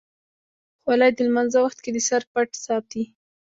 خولۍ د لمانځه وخت کې د سر پټ ساتي.